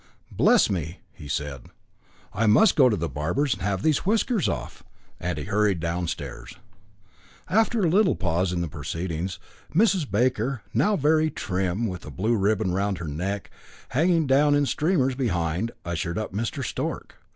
"Bless me!" he said, "I must go to the barber's and have these whiskers off." And he hurried downstairs. After a little pause in the proceedings, Mrs. Baker, now very trim, with a blue ribbon round her neck hanging down in streamers behind, ushered up Mr. Stork.